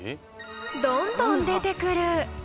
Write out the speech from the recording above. どんどん出てくる。